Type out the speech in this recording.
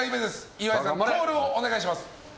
岩井さん、コールをお願いします。